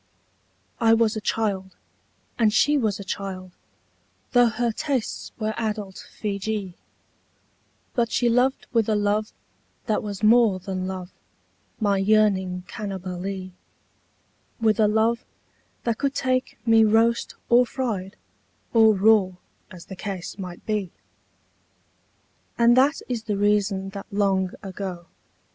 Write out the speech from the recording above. I was a child, and she was a child — Tho' her tastes were adult Feejee — But she loved with a love that was more than love, My yearning Cannibalee; With a love that could take me roast or fried Or raw, as the case might be. And that is the reason that long ago.